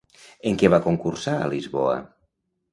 En què va concursar a Lisboa?